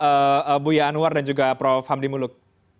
bapak buya anwar dan juga prof hamdi muluk